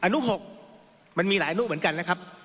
อนุ๖มันมีหลายอนุเหมือนกันนะครับ